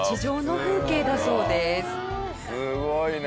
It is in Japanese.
すごいね。